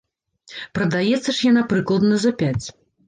Прадаецца ж яна прыкладна за пяць.